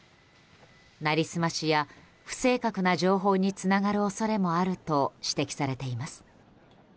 なりすましや不正確な情報につながる恐れもあると指摘されています。